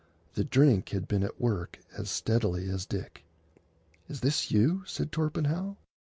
The drink had been at work as steadily as Dick. "Is this you?" said Torpenhow.